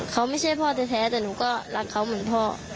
เขาไม่ใช่พ่อแท้แต่หนูก็รักเขาเหมือนพ่อ